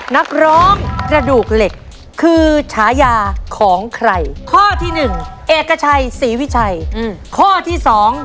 นักร้องระดูกเล็กคือฉายาของใครข้อที่๑เอคกะไฉยเศย์วิชัยข้อที่๒